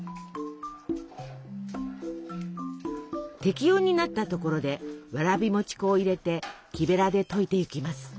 適温になったところでわらび餅粉を入れて木べらで溶いていきます。